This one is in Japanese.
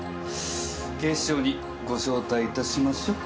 警視庁にご招待いたしましょ。